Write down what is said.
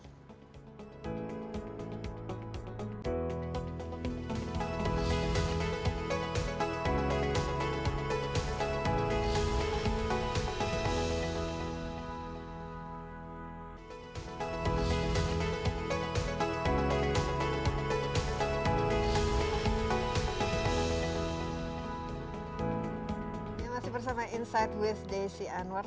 kita masih bersama insight with desi anwar